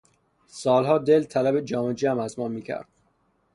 سالها دل طلب جام جم از ما میکرد.